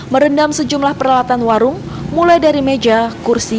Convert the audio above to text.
merendam sejumlah peralatan warung mulai dari meja kursi